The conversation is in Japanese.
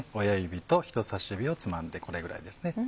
親指と人さし指をつまんでこれぐらいですね。